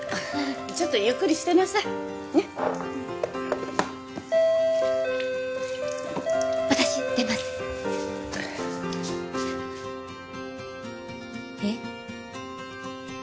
ちょっとゆっくりしてなさいねっ私出ますえっ